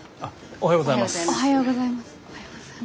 おはようございます。